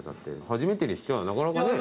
初めてにしちゃなかなかね。